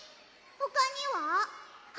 ほかには？